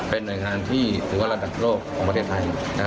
เป็นหน่วยงานที่ถือว่าระดับโลกของประเทศไทย